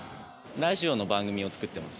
ラジオの番組を作ってます。